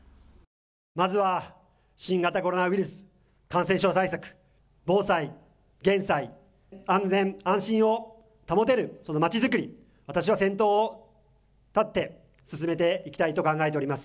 まずは新型コロナウイルス感染症対策、防災、減災、安全安心を保てる街づくりに、私は先頭を立って進めていきたいと考えております。